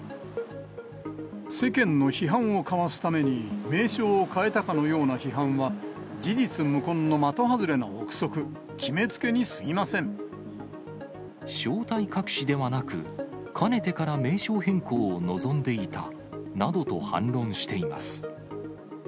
世間の批判をかわすために名称を変えたかのような批判は、事実無根の的外れな臆測、決めつ正体隠しではなく、かねてから名称変更を望んでいたなどと反論しています。